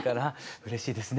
うれしいですね。